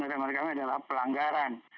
kondisi klin kami adalah pelanggaran